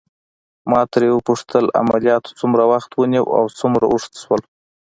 ما ترې وپوښتل: عملياتو څومره وخت ونیو او څومره اوږد شول؟